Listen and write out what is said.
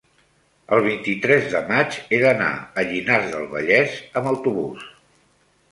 el vint-i-tres de maig he d'anar a Llinars del Vallès amb autobús.